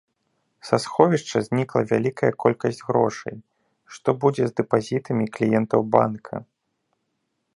Са сховішча знікла вялікая колькасць грошай, што будзе з дэпазітамі кліентаў банка?